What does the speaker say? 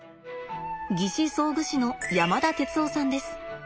義肢装具士の山田哲生さんです。